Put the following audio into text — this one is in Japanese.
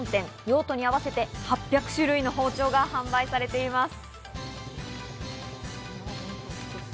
用途に合わせて８００種類の包丁が販売されています。